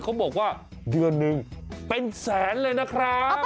เขาบอกว่าเดือนหนึ่งเป็นแสนเลยนะครับ